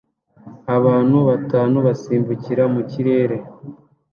Abantu batanu basimbukira mu kirere